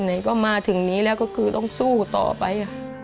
ไหนก็มาถึงนี้แล้วก็คือต้องสู้ต่อไป